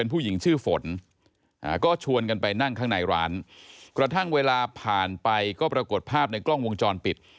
พาผ่านไปก็ปรากฏภาพในกล้องวงจรปิด